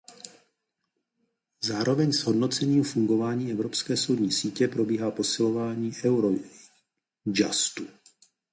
Zároveň s hodnocením fungování Evropské soudní sítě probíhá posilování Eurojustu.